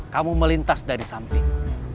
kamu melintas dari samping